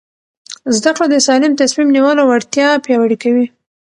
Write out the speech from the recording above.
زده کړه د سالم تصمیم نیولو وړتیا پیاوړې کوي.